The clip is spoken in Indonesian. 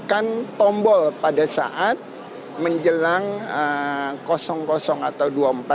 jadi kita akan menekan tombol pada saat menjelang atau dua puluh empat